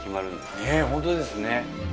ねぇホントですね。